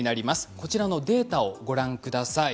こちらのデータをご覧ください。